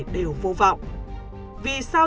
đều vô vọng vì sao